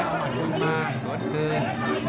สวนขึ้นมากสวนขึ้น